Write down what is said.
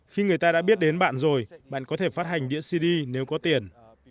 khi người ta đã biết đến bạn rồi bạn có thể phát hành điện cd nếu có tiền